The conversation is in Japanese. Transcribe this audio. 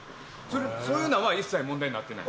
そういうのは一切問題になってない？